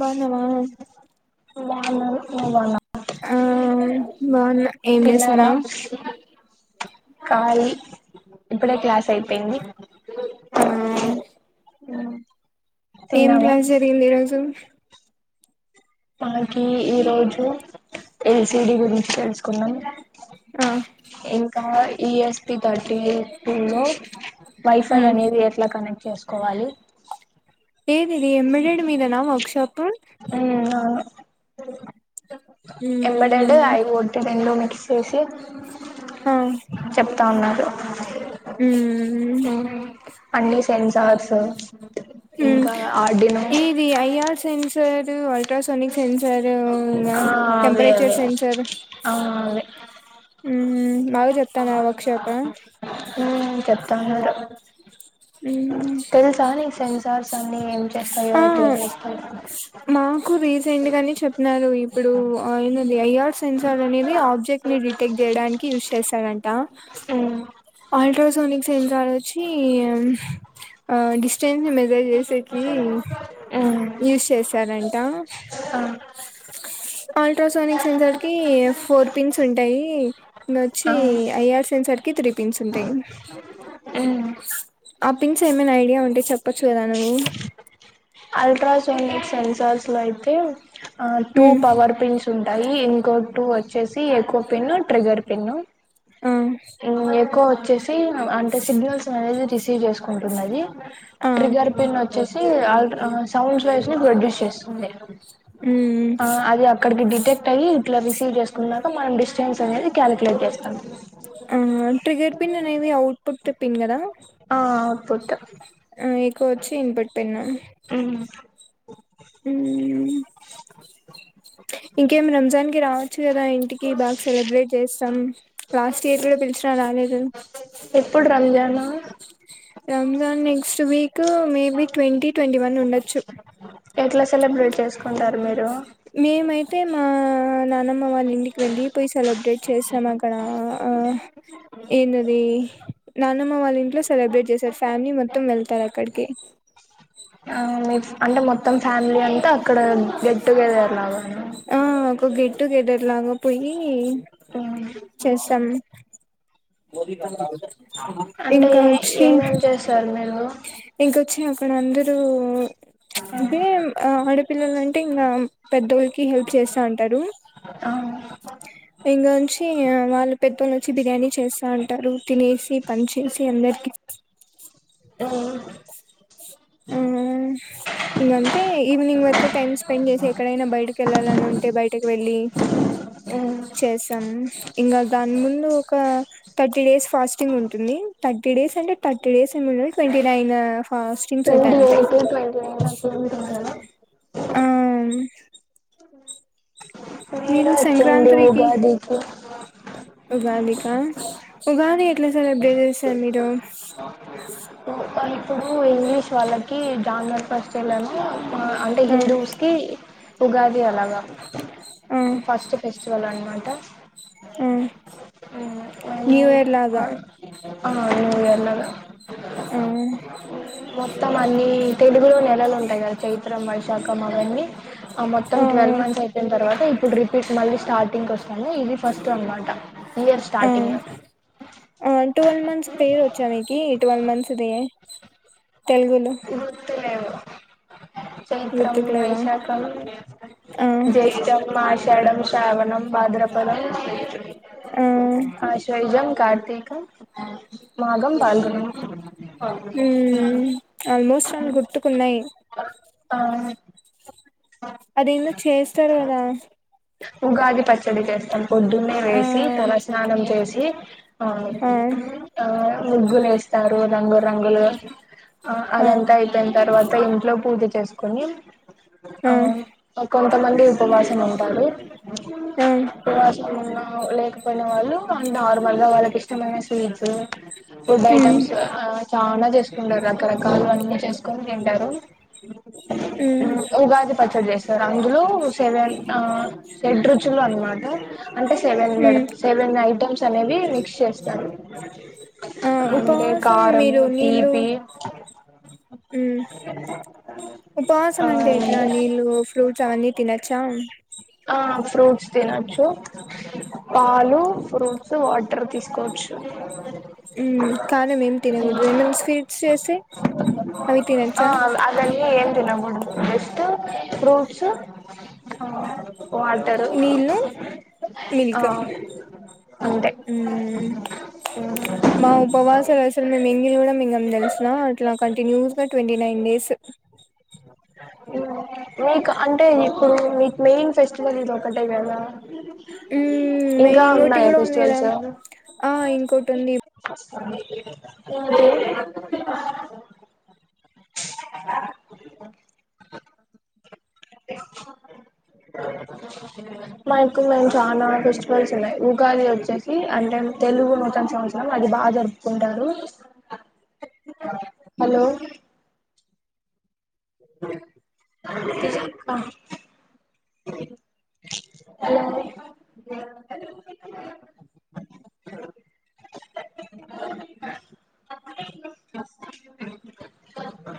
బాగున్నావా నేను బాగున్నా మీరు బాగున్నారా ఆ బాగున్నా ఏం చేస్తున్నా కాలి ఇప్పుడే క్లాస్ అయిపోయింది ఆ ఆ ఏం తిన్నావా క్లాస్ జరిగింది ఈరోజు మనకి ఈ రోజు ఎల్సిడి గురించి తెలుసుకునం ఆ ఈఎస్పిి థర్టీ హాట్ లో వైఫై ఉమ్ అనేది ఎట్లా కనెక్ట్ చేసుకోవాలి ఏేది ఎమ్మె మీదనా వర్క్ షాప్ అంబాడడ్ ఉమ్ ఐ వాడి నెట్ చేసి చెప్తా ఉన్నారు హమ్ అన్నీ సేమ్ సేమ్ చార్స్ ఇంకా ఆడినో అయ్యా సెన్సారు అల్ట్రాసోనిక్ సెన్సర్ ఉ ఆ అవే టెంపరేచర్ అవే సెన్సర్ ఆ అవే యూ బాగా చెప్తున్నాడు వర్క్ షాప్ తాన్నాడు ఉమ్ తెలుసా నీకి సెన్సర్స్ ఆ ఇంకేం చి చేస్తాయో ఆ ఎట్లా చేస్తాయి మాకు ఏంది కానీ చెప్పినారు ఇప్పుడు ఆయనది ఐఆర్ సెన్సర్ అనేవి ఆబ్జెక్ట్ ని డిటెక్ట్ చేయడానికి యూజ్ చేస్తారంట ఆ అల్ట్రాసోనిక్ సెన్సర్ వచ్ కి ఆ డిస్టెన్స్ ని మెజర్ చేసేకి ఉమ్ యూస్ చేస్తారంట ఆ అల్ట్రాసోనిక్ సెన్సార్ కి ఫోర్ పిన్స్ ఉంటాయి ను వచ్చి అయ్యర్ సెన్సార్ కి త్రీ పిన్స్ ఉంటాయి అ ఆ పిన్స్ ఏమైనా ఐడియా ఉంటే చెప్పొచ్చు కదా నువ్వు అల్ట్రాసోనిక్ సెన్సార్స్ లో అయితే అ టూ ఉమ్ పవర్ పిన్స్ ఉన్ ఉంటాయి ఇంకో టు వచ్చేసి ఎక్కువ పిన్ ట్రిగర్ పిన్ ఉ ఆ ఇన్ అక్కో చ్చేసి అ అంటే సిగ్నల్స్ అనేది తీస్ తీ చేసుకుంటున్నది ఆ ట్రిగ్గర్ పిన్ వచ్చేసి ఉ అ అ సౌండ్స్ వేవ్స్ ని ప్రొడ్యూస్ చేస్తుంది ఉమ్ ఆ అది అక్కడికి డిటెక్ట్ అయ్యి ఇట్ల తీస్ తివ్ చేసుకున్నాక మనం డిస్టెన్స్ అనేది మనం క్యాలిక్యులేట్ చేస్తాం ఆ ట్రిగ్గర్ పిన్ అనేవి అవుట్ పుట్ పిన్ కదా ఆ అవుట్పుట్ ఆ ఎక్కువ వచ్చి ఇన్ పుట్ పిన్ మ్మ్ ఊ ఇంకేం రంజాన్ కి రావచ్చు కదా ఇన్ టికి బాగా సెలబ్రేట్ చేస్తాం లాస్ట్ ఇయర్ గుడా పిల్చ్నా రాలేదు అ ఎప్పుడు రంజానా Ramzan next week maybe twenty twenty one ఉండచ్చు ఎట్ల సెలబ్రేట్ చేసుకుంటారు మీరు మేమైతే మా నానమ్మ వాళ్ళ ఇంటికి వెళ్ళి పోయి సెలబ్రేట్ చేసాం అక్కడ ఆ ఏంటది నానమ్మ వాళ్ళ ఇంట్లో సెలబ్రేట్ జేశారు ఫ్యామిలీ మొత్తం వెళ్తార్ అక్కడి ఆ మీ అంటే మొత్తం ఫ్యామిలీ అంతా అక్కడ గెట్ టుగెదర్ ఒర్ లావానా ఒగ్ గెట్ టుగెదర్ లాగా పోయి మ్మ్ చేస్తాం అంటే ఇంగ్ కా ఏ ఒచ్చి ఏమేం చేస్తారు మీరు ఇంకొచ్చి అక్ మన అందరూ అంటే ఆ ఆడపిల్లల అంటే ఇంగామ్ పెద్దోల్కి హెల్ప్ చేస్తా అంటారు అవును [unintelligible] వాళ్ పెద్దోలోచ్చి బిర్యానీ చేస్ రా అంటారు తినేసి పని చేసి అందర్కి ఆ అమ్ ఇంగ అంతే ఈవినింగ్ వర్కు టైమ్ స్పెండ్ జేసి ఎక్కడైనా బయటకి ఎల్లల్ అన్ ఉంటే బయటకు వెళ్ళి చేస్తాం ఇంగా దాన్ ముందు ఒక థట్టీ డేస్ ఫాస్టింగ్ ఉంటుంది థట్టీ డేస్ రండే థర్టీ డేస్ ఏమో లొయ్ టెవ్న్టీ నైన్ ఫాస్టింగ్స్ ఉంటై అంతే ఏందో అట్లన్ [unintelligible] [unintelligible] ఆ మ్ [unintelligible] ఒచ్చిండు సంక్రాంతికి ఉగాదికి తా ఉగాది ఎట్ల సెలెబ్రేట్ జేసర్ మీరు వాళ్లు ఇప్పుడు ఇంగ్లీష్ వాళ్ళకి జన్వర్ ఫస్ట్ చెళ్ళనూ ఆ అంటే ఆ హిందూస్కి ఉగాది అలాగా ఆ ఫస్ట్ ఫెస్టివల్ అండ్ మంటా ఊ న్యూ ఇయర్ లాగా ఆ అది న్యూ ఇయర్ లాగ ఊ మొత్తం అన్ని తెలుగులో నెలలు ఉంటై గదా చైత్రం వైశాఖం అవన్నీ ఆ మొత్తం ట్వెల్వ్ మంత్స్ అయిపోయిన తర్వాత ఇప్పుడ్ రిపీట్ మళ్ళీ స్టార్టింగ్ కొస్తేనే ఇది ఫస్ట్ అన్మాట ఇయర్ ఆ స్టార్టింగ్లో పేర్ వచ్చా నీకీ ట్వెల్వ్ మంత్స్ ది తెలుగులో ఇది గుర్తులేవు చైత్రం, గుర్తుకులేవా వైశాఖం, ఆ జ్యేష్టం, ఆ షాఢం, శ్రావణం, భాద్రపదం ఆషాఢం కార్తీక మాఘం, పాల్గుణం అవున మ్మ్ ఆల్మోస్ట్ వాళ్ళు గుర్తుకున్నయి. ఆ అది ఏందో చేస్తార్ కదా ఉగాది పచ్చడి చేస్తాం. పొద్దునే ఆ లేసి తలస్నానం చేసి ఆ ఆ ముగ్గుల్ ఏస్తారు రంగు రంగులు ఆ అదంతా అయిపోయిన తర్వాత ఇంట్లో పూజ చే చేస్కొని ఆ అవు ఒక్ కొంతమంది ఉపవాసం ఉంటారు. ఆ ఉపవాసం ఉన్న లేకపోయిన వాళ్లు నార్మల్గా వాళ్లకిష్టమైన స్వీట్స్ ఫుడ్ మ్మ్ ఐటమ్స్ ఆ చాల చేసుకుంటార్ రకరకాలుగా అన్నీ చేస్కొన్ తింటరు. మ్మ్ ఉగాది పచ్చడి చేస్తరు అందులో సెవెన్ ఆ షెడ్రుచులు అన్నమాట అంటే సెవెన్ మేడం మ్మ్ సెవెన్ ఐటమ్స్ అనేవి మిక్స్ చేస్తారు. ఆ అంటే ఉపవాసం కారము, తీపి మ్ ఉపవాసం ఆ అంటే ఎట్లా నీళ్లు ఫ్రూట్స్ అవన్నీ తినచ్చా ఆ ఫ్రూట్స్ తినొచ్చు పాలు ఫ్రూట్స్ వాటర్ తీసుకోవచ్చు మ్ కాని మేమ్ తినకూడదు ఏమన్నా స్వీట్స్ చేస్తే అవి ఆ తినచ్చా అవన్నీ ఏం తినకూడదు జస్ట్ ఫ్రూట్స్ వాటరు నీళ్లు ఆ మిల్క్ అంతే ఉమ్ మా ఉపవాసాలు అసలు మేము ఎంగిలి కూడా మింగం తెలుసున అట్లా కంటిన్యూస్ గా ట్వంటీ నైన్ డేస్ మ్ మీకు అంటే ఇప్పుడు మీకు మెయిన్ ఫెస్టివల్ ఇది ఒకటే కదా ఉమ్ ఇంకా మెయిన్ ఇంకోటి ఉన్నాయా కూడా ఉంది కదా ఫెస్టివల్స్ ఆ ఇంకోటి ఉంది అ మాకు మేము చాలా ఫెస్టివల్స్ ఉన్నాయి ఉగాది వచ్చేసి అంటే తెలుగు నూతన సంవత్సరం అది బాగా జరుపుకుంటారు హలో ఆ హలో